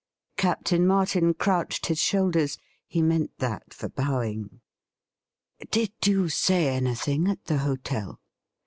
Captain Martin crouched his shoulders ; he meant that for bowing. ' Did you say anything at the hotel